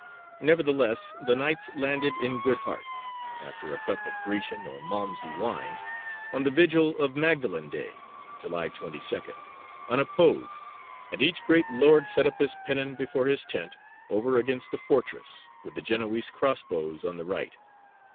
Nevertheless the Knights landed in good heart, after a cup of Grecian or Malmsey wine, on the Vigil of Magdalen Day (July 22nd), unopposed, and each great lord set up his pennon before his tent over against the fortress, with the Genoese crossbows on the right.